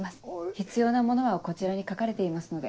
必要なものはこちらに書かれていますので。